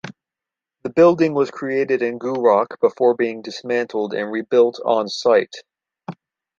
The building was created in Gourock before being dismantled and re-built on site.